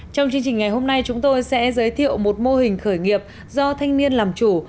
trong chương trình ngày hôm nay chúng tôi sẽ giới thiệu một mô hình khởi nghiệp do thanh niên làm chủ